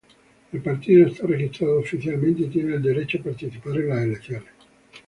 El partido está registrado oficialmente y tiene el derecho a participar en las elecciones.